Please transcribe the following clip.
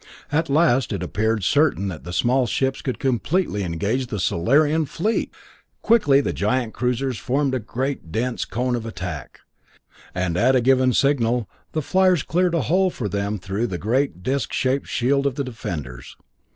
At last it appeared certain that the small ships could completely engage the Solarian fleet! Quickly the giant cruisers formed a great dense cone of attack, and at a given signal, the fliers cleared a hole for them through the great disc shaped shield of the defenders.